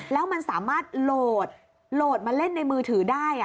แล้วมันสามารถโหลดมาเล่นในมือถือได้